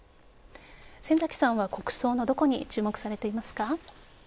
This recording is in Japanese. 先崎さんは国葬のどこに注目されていますか？